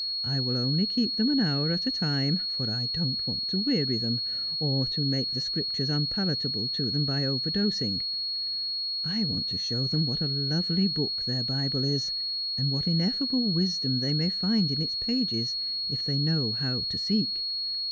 I will only keep them an hour at a time, for I don't want to weary them, or to make the Scriptures unpalat able to them by overdosing. I want to show them what a lovely book their Bible is, and what ineffable wisdom they may find in its pages if they know how to seek.